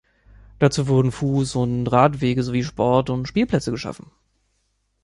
Dazu wurden Fuß- und Radwege sowie Sport- und Spielplätze geschaffen.